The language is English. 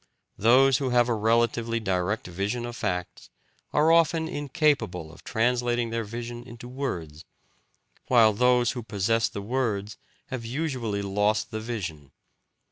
Those who have a relatively direct vision of facts are often incapable of translating their vision into words, while those who possess the words have usually lost the vision.